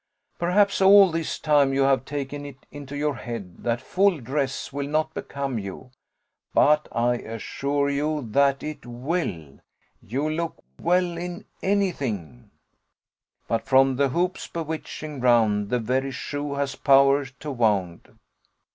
Perhaps all this time you have taken it into your head that full dress will not become you; but I assure you that it will you look well in any thing 'But from the hoop's bewitching round, The very shoe has power to wound.